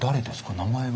名前は？